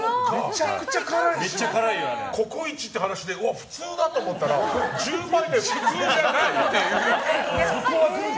ココイチって話で普通だって思ったら１０倍で、普通じゃないっていう。